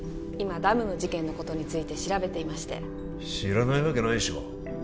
今ダムの事件のことについて調べていまして知らないわけないでしょ